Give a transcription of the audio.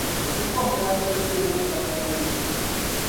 bɛ bom’ naɣisa’ ʒee ŋun ka dalinli.